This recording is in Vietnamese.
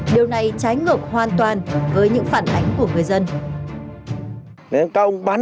điều này trái ngược hoàn toàn